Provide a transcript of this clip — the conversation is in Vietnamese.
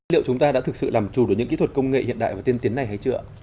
liệu chúng ta đã thực sự làm trù được những kỹ thuật công nghệ hiện đại và tiên tiến này hay chưa